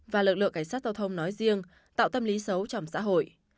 và lực lượng cảnh sát giao thông nói riêng tạo tâm lý xấu trong xã hội